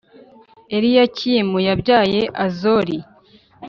Eliyakimu yabyaye Azori,